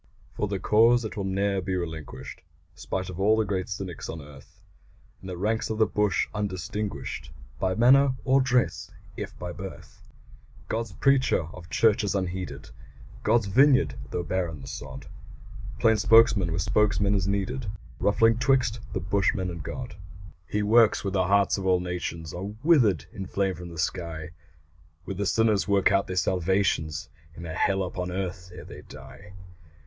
For the cause that will ne'er be relinquished Spite of all the great cynics on earth In the ranks of the bush undistinguished By manner or dress if by birth God's preacher, of churches unheeded God's vineyard, though barren the sod Plain spokesman where spokesman is needed Rough link 'twixt the bushman and God. He works where the hearts of all nations Are withered in flame from the sky, Where the sinners work out their salvations In a hell upon earth ere they die.